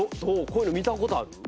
こういうの見たことある？